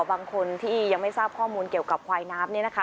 บางคนที่ยังไม่ทราบข้อมูลเกี่ยวกับควายน้ำ